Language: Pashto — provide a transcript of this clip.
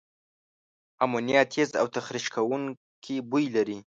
امونیا تیز او تخریش کوونکي بوی لري.